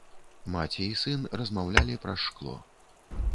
Маці і сын размаўлялі праз шкло.